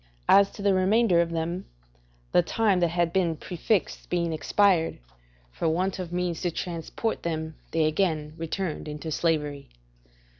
As to the remainder of them, the time that had been prefixed being expired, for want of means to transport them they again returned into slavery.